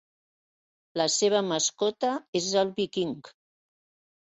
La seva mascota és el Viking.